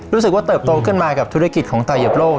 รู้สึกว่าเติบโตขึ้นมากับธุรกิจของเต่าเหยียบโลก